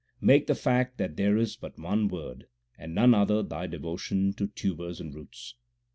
Make the fact that there is but one Word and none other thy devotion to tubers and roots.